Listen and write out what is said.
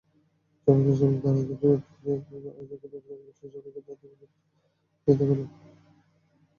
জনতা যখন কারূনকে দেখল, তখন মজলিসের অনেকেই তার দিকে ফিরে তাকাল।